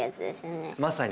まさに。